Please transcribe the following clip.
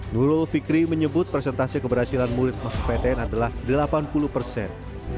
nurul fikri menyebut presentasi keberhasilan murid masuk ptn adalah delapan puluh persen